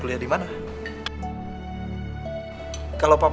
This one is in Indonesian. iya sih pak